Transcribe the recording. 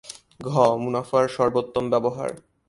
ঘ. মুনাফার সর্বোত্তম ব্যবহার